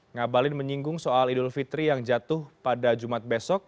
ngabalin menyinggung soal idul fitri yang jatuh pada jumat besok